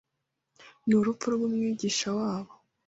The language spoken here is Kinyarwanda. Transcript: n'urupfu rw'Umwigisha wabo.